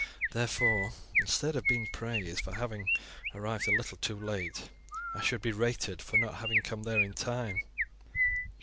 Therefore, instead of being praised for having arrived a little too late, I should be rated for not having come there in time."